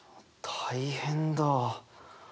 大変だ！